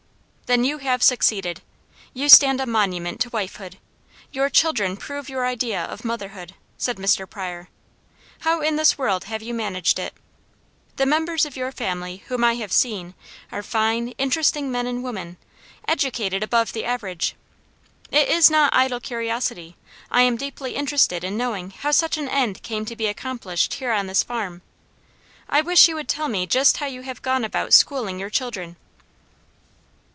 "Then you have succeeded. You stand a monument to wifehood; your children prove your idea of motherhood," said Mr. Pryor. "How in this world have you managed it? The members of your family whom I have seen are fine, interesting men and women, educated above the average. It is not idle curiosity. I am deeply interested in knowing how such an end came to be accomplished here on this farm. I wish you would tell me just how you have gone about schooling your children."